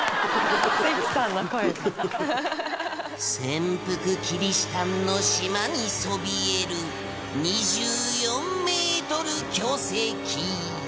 潜伏キリシタンの島にそびえる２４メートル巨石。